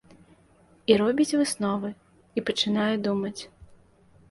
І робіць высновы, і пачынае думаць.